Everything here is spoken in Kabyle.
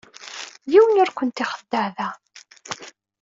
Yiwen ur kent-ixeddeɛ da.